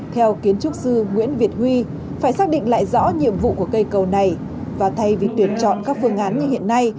theo kiến trúc sư nguyễn việt huy phải xác định lại rõ nhiệm vụ của cây cầu này và thay vì tuyển chọn các phương án như hiện nay